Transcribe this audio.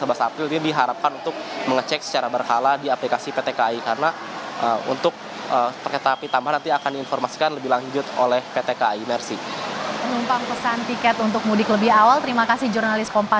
dan juga tanggal sebelas april ini diharapkan untuk mengecek secara berkala di aplikasi pt ki karena untuk terketapi tambahan nanti akan diinformasikan lebih lanjut oleh pt ki